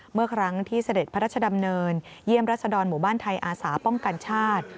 เมื่อครั้งที่เสด็จพระราชดำเนินเยี่ยมรัศดรหมู่บ้านไทยอาสาป้องกันชาติ